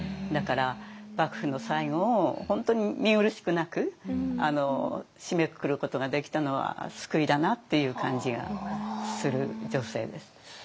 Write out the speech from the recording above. だから幕府の最後を本当に見苦しくなく締めくくることができたのは救いだなっていう感じがする女性です。